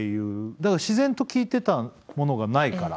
だから自然と聞いてたものがないから。